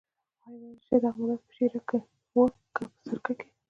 آیا ویلای شې چې دغه موږک په شېره کې و که په سرکه کې.